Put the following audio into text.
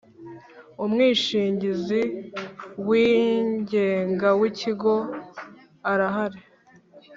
Umwishingizi wigenga w’ ikigo arahari.